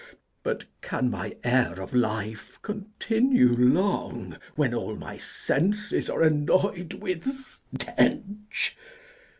But can my air of life continue long, When all my senses are annoy'd with stench?